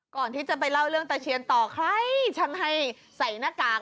ก่อนที่จะไปเล่าเรื่องตะเคียนต่อใครฉันให้ใส่หน้ากาก